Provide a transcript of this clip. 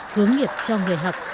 hướng nghiệp cho người học